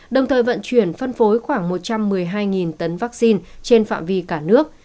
đồng thời vận chuyển phân phối khoảng một trăm một mươi hai tấn vaccine trên phạm vi cả nước